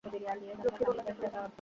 লক্ষ্মী বোন, লজ্জা করিস নে।